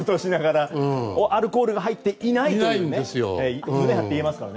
アルコールが入っていないと胸張って言えますから。